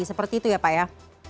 seperti itu ya pak ya